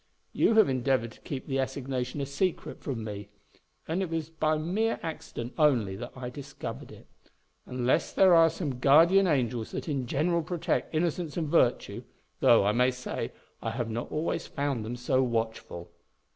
You have endeavoured to keep the assignation a secret from me; and it was by mere accident only that I discovered it; unless there are some guardian angels that in general protect innocence and virtue; though, I may say, I have not always found them so watchful."